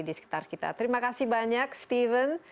di sekitar kita terima kasih banyak steven